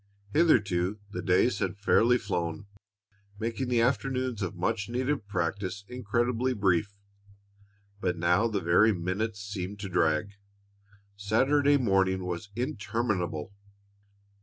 Hitherto the days had fairly flown, making the afternoons of much needed practice incredibly brief, but now the very minutes seemed to drag. Saturday morning was interminable.